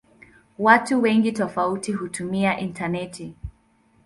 Watu wengi tofauti hutumia intaneti.